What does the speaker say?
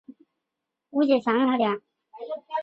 布卢里奇是一个位于美国乔治亚州范宁县的城市。